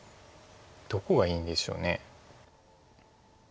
どこがいいんでしょう。